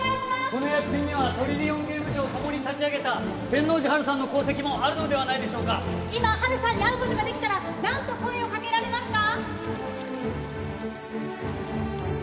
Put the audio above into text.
この躍進にはトリリオンゲーム社をともに立ち上げた天王寺陽さんの功績もあるのではないでしょうか今陽さんに会うことができたら何と声をかけられますか？